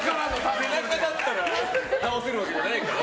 背中だったら倒せるわけじゃないから。